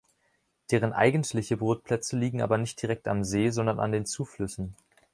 Deren eigentliche Brutplätze liegen aber nicht direkt am See, sondern an den Zuflüssen.